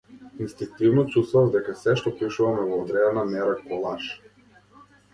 Инстинктивно чувствував дека сѐ што пишувам е во одредена мера колаж.